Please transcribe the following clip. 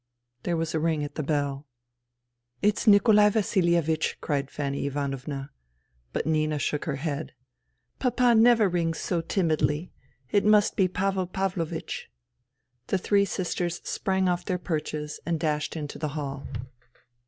There was a ring at the bell. " It's Nikolai VasiHevich !" cried Fanny Ivanovna. But Nina shook her head. " Papa never rings so timidly. It must be P^vel P^vlovich." THE THREE SISTERS 21 The three sisters sprang off their perches and dashed into the hall.